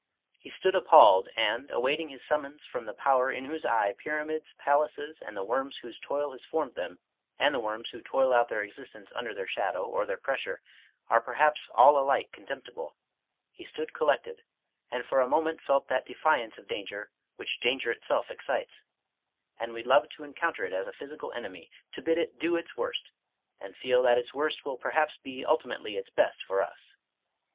He stood appalled, and, awaiting his summons from the Power in whose eye pyra mids, palaces, and the worms whose toil has formed them, and the worms who toil out their existence under their shadow or their pressure, are perhaps all alike contemptible, he stood collected, and for a moment felt that defiance of danger which danger itself excites, and we love to encoun ter it as a physical enemy, to bid it " do its worst," and feel that its worst will perhaps be ultimately its best for us.